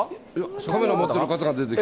カメラ持ってる方が出てきた。